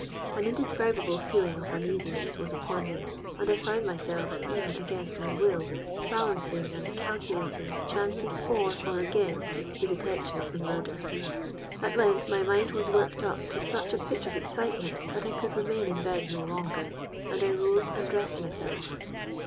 An indescribable feeling of uneasiness was upon me, and I found myself, even against my will, balancing and calculating the chances for or against the detection of the murder. At length my mind was worked up to such a pitch of excitement that I could remain in bed no longer; and I rose and dressed myself.